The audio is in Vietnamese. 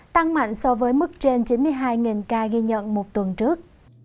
tăng mạnh so với mức trên chín mươi hai ca ghi nhận một tuần trước